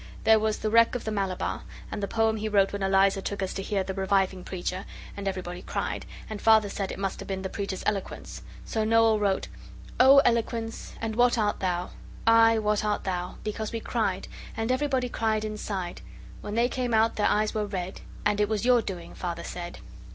There was the 'Wreck of the Malabar', and the poem he wrote when Eliza took us to hear the Reviving Preacher, and everybody cried, and Father said it must have been the Preacher's Eloquence. So Noel wrote: O Eloquence and what art thou? Ay what art thou? because we cried And everybody cried inside When they came out their eyes were red And it was your doing Father said.